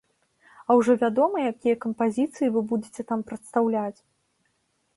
А ўжо вядома, якія кампазіцыі вы будзеце там прадстаўляць?